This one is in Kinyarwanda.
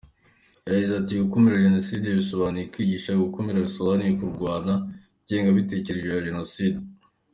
Yagize ati “Gukumira Jenoside bisobanuye kwigisha, gukumira bisobanuye kurwanya ingengabitekerezo ya Jenoside.